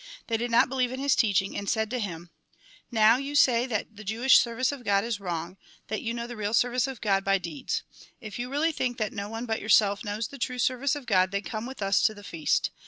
They did not believe in his teaching, and said to him :" Now, you say that the Jewish service of God is wrong, that you know the real service of God by deeds. If you really think that no one but your self knows the true service of God, then come with us to the feast.